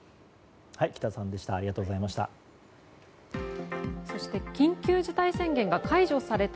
北田さんでした。